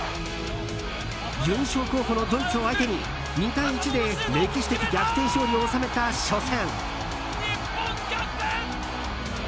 優勝候補のドイツを相手に２対１で歴史的逆転勝利を収めた初戦。